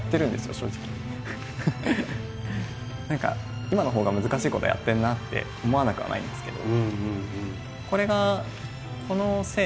ただ今のほうが難しいことやってるなって思わなくはないんですけど。